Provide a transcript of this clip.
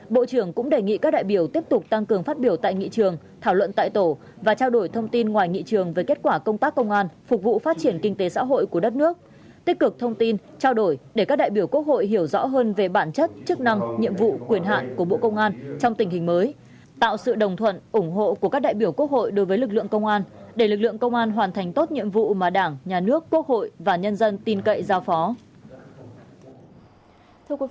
bộ trưởng tô lâm đề nghị các đại biểu tiếp tục tăng cường phát biểu tại nghị trường thảo luận tại tổ và trao đổi thông tin ngoài nghị trường về kết quả công tác công an phục vụ phát triển kinh tế xã hội của đất nước tích cực thông tin trao đổi để các đại biểu quốc hội hiểu rõ hơn về bản chất chức năng nhiệm vụ quyền hạn của bộ công an trong tình hình mới tạo sự đồng thuận ủng hộ của các đại biểu quốc hội đối với lực lượng công an để lực lượng công an hoàn thành tốt nhiệm vụ mà đảng nhà nước quốc hội và nhân dân tin cậy giao ph